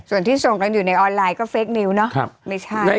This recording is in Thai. ส่วนที่ส่งกันอยู่ในออนไลน์ก็เฟคนิวเนอะไม่ใช่